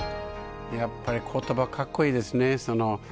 やっぱりことばかっこいいですね。